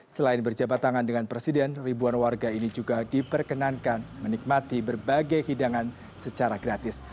selain berjabat tangan dengan presiden ribuan warga ini juga diperkenankan menikmati berbagai hidangan secara gratis